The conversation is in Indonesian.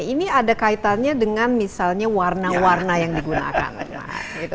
ini ada kaitannya dengan misalnya warna warna yang digunakan